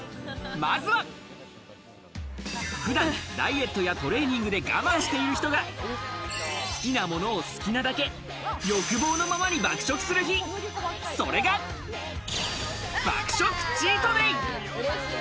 まずは、普段ダイエットやトレーニングで我慢している人が好きなものを好きなだけ、欲望のままに爆食する日、それが、爆食チートデー。